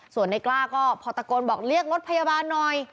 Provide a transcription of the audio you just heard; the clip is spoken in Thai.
ส่วนในกล้าก็พอตะโกนบอกเรียกรถพยาบาลหน่อย